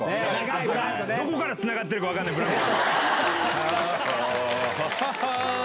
どこからつながってるか分からないブランコ。